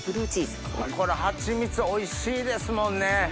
これハチミツおいしいですもんね。